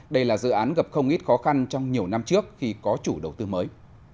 đây là dự án gặp không ít khó khăn trong nhiều năm trước khi có chủ đầu tư mới